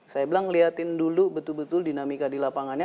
saya bilang ngeliatin dulu betul betul dinamika di lapangannya